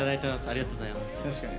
ありがとうございます。